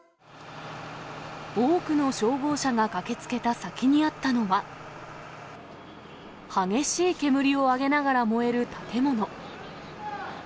多くの消防車が駆けつけた先にあったのは、激しい煙を上げながら燃える建物。